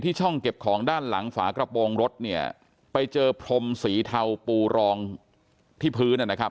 ช่องเก็บของด้านหลังฝากระโปรงรถเนี่ยไปเจอพรมสีเทาปูรองที่พื้นนะครับ